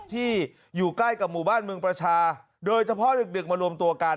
ที่อยู่ใกล้กับหมู่บ้านเมืองประชาโดยเฉพาะดึกมารวมตัวกัน